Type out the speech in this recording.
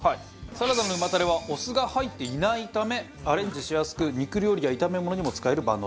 サラダの旨たれはお酢が入っていないためアレンジしやすく肉料理や炒め物にも使える万能調味料だそうです。